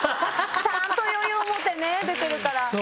ちゃんと余裕を持ってね出てるから。